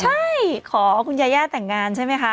ใช่ขอคุณยาย่าแต่งงานใช่ไหมคะ